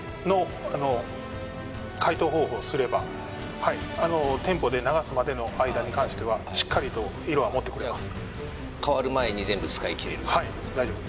はい店舗で流すまでの間に関してはしっかりと色は持ってくれます